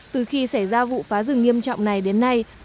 từ khi xảy ra vụ phá rừng nghiêm trọng này đến nay